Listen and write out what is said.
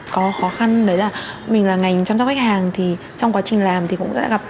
có khó khăn đấy là mình là ngành chăm sóc khách hàng thì trong quá trình làm thì cũng sẽ gặp rất nhiều